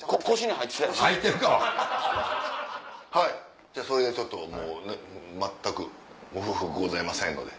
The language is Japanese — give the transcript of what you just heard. はいじゃあそれでちょっともう全く不服ございませんので。